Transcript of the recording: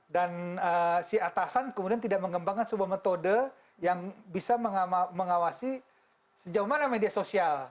dan si atasan kemudian tidak mengembangkan sebuah metode yang bisa mengawasi sejauh mana media sosial